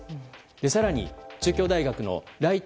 更に、中京大学の來田